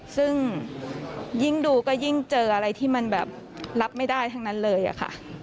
ซึ่งยิ่งดูก็ยิ่งเจออะไรที่มันแบบรับไม่ได้ทั้งนั้นเลยอะค่ะ